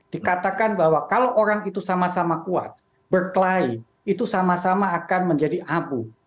dikatakan bahwa kalau orang itu sama sama kuat berkelahi itu sama sama akan menjadi abu